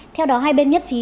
theo đó hai bên nhất trí